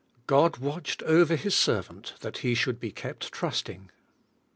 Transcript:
God watched over his servant that he should be kept trusting.